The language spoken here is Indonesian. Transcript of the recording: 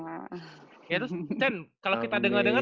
ya terus kalau kita dengar dengar